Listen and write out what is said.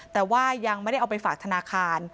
แต่ว่ายังไม่ได้เอาไปฝากธนาคาร